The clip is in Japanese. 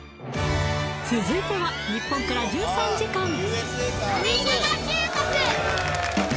続いては日本から１３時間